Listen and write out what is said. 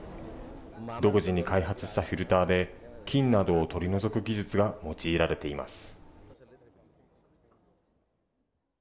独自に開発したフィルターで菌などを取り除く技術が用いられています。